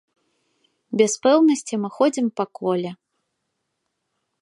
Без пэўнасці мы ходзім па коле.